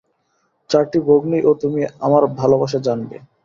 চারটি ভগ্নী ও তুমি আমার ভালবাসা জানবে।